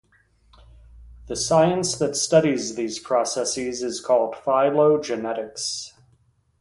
The science that studies these processes is called phylogenetics.